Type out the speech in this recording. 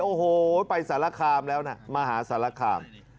โอ้โหไปสารคามแล้วนะมหาสารคาม